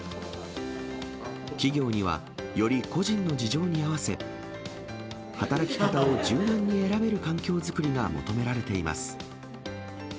企業には、より個人の事情に合わせ、働き方を柔軟に選べる環境作りが求められています。